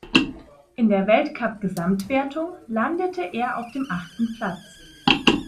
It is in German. In der Weltcupgesamtwertung landete er auf dem achten Platz.